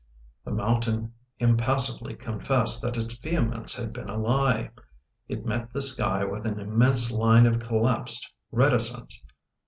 The mountain impas sively confessed that its vehemence had been a lie. It met the sky with an immense line of collapsed reticence.